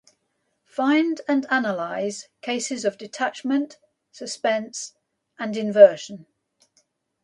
Find and analyze cases of detachment, suspense and inversion.